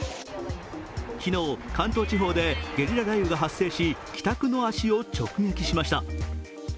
昨日、関東地方でゲリラ雷雨が発生し帰宅の足を直撃しました。